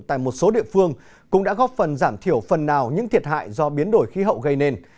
tại một số địa phương cũng đã góp phần giảm thiểu phần nào những thiệt hại do biến đổi khí hậu gây nên